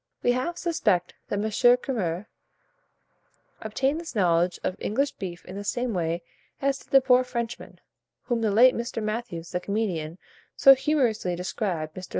We half suspect that M. Curmer obtained his knowledge of English beef in the same way as did the poor Frenchman, whom the late Mr. Mathews, the comedian, so humorously described. Mr.